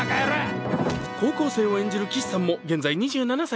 高校生を演じる岸さんも現在２７歳。